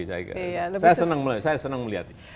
saya senang melihat